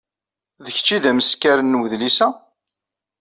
D kecc ay d ameskar n wedlis-a?